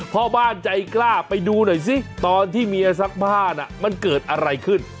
พ่อบ้านใจกล้าไปดูหน่อยซิตอนที่เมียซักผ้าน่ะมันเกิดอะไรขึ้น